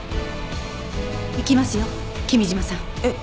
行きますよ君嶋さん。えっ！？